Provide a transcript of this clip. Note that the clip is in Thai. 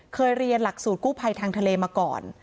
เคยเรียนหลักสูตรกู้ภัยทางทะเลมาก่อน